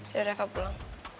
ya udah enggak pulang